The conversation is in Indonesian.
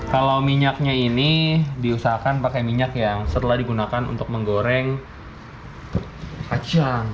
kalau minyaknya ini diusahakan pakai minyak yang setelah digunakan untuk menggoreng kacang